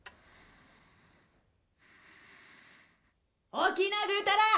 ・起きなぐうたら！